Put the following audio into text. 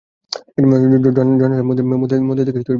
জয়নাল সাহেব মন্দির দেখে বিশেষ উল্লসিত হলেন না।